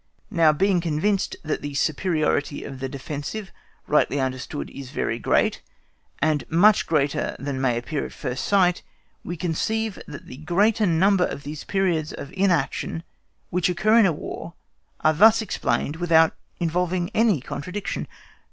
Now, being convinced that the superiority of the defensive(*) (rightly understood) is very great, and much greater than may appear at first sight, we conceive that the greater number of those periods of inaction which occur in war are thus explained without involving any contradiction.